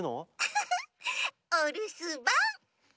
フフッおるすばん！